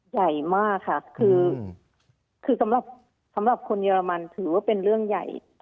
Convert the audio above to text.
ใหญ่มากค่ะคือสำหรับคนเยอรมันถือว่าเป็นเรื่องใหญ่